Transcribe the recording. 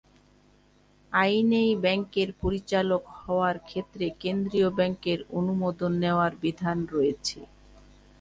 আইনেই ব্যাংকের পরিচালক হওয়ার ক্ষেত্রে কেন্দ্রীয় ব্যাংকের অনুমোদন নেওয়ার বিধান রয়েছে।